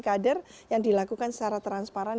kader yang dilakukan secara transparan